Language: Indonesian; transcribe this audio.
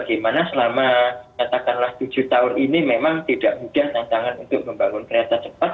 dimana selama katakanlah tujuh tahun ini memang tidak mudah tantangan untuk membangun kereta cepat